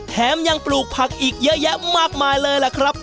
แถมยังปลูกผักอีกเยอะแยะมากมายเลยล่ะครับ